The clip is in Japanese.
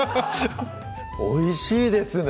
おいしいですね！